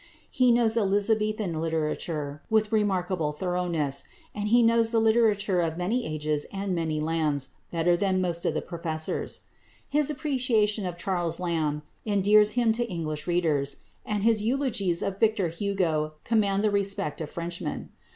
He knows Elizabethan literature with remarkable thoroughness, and he knows the literature of many ages and many lands better than most of the professors. His appreciation of Charles Lamb endears him to English readers, and his eulogies of Victor Hugo command the respect of Frenchmen.